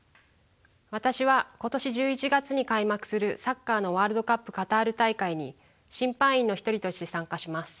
私は今年１１月に開幕するサッカーのワールドカップカタール大会に審判員の一人として参加します。